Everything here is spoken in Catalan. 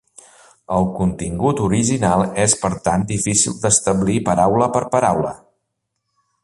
El contingut original és per tant difícil d'establir paraula per paraula.